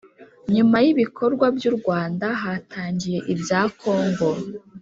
nyuma y ibikorwa by u Rwanda hatangiye ibya kongo